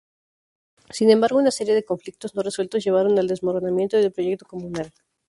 Sin embargo, una serie de conflictos no resueltos llevaron al desmoronamiento del proyecto comunal.